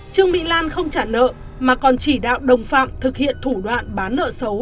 trương mỹ lan không trả nợ mà còn chỉ đạo đồng phạm thực hiện thủ đoạn bán nợ xấu